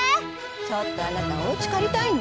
ちょっとあなたおうちかりたいの？